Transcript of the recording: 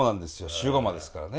塩竈ですからね